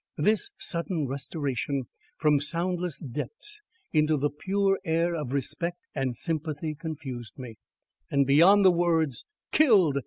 This sudden restoration from soundless depths into the pure air of respect and sympathy confused me; and beyond the words KILLED!